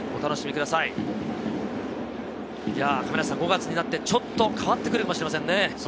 ５月になってちょっと変わってくるかもしれませんね。